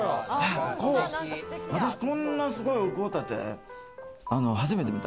私、こんなすごいお香立て始めてみた。